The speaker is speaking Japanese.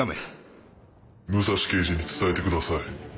武蔵刑事に伝えてください。